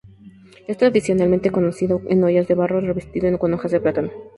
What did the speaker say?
Es tradicionalmente cocinado en ollas de barro 'revestido' con hojas de plátano.